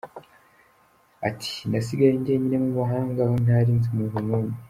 Ati “Nasigaye njyenyine mu mahanga, aho ntari nzi umuntu n’umwe.